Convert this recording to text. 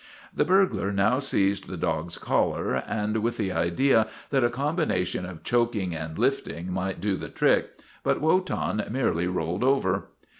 The burglar now seized the dog's collar with the idea that a combination of choking and lifting might do the trick, but Wotan merely rolled over.